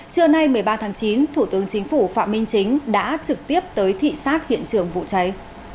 trưa nay một mươi ba tháng chín thủ tướng chính phủ phạm minh chính đã trực tiếp tới thị xát hiện trường vụ cháy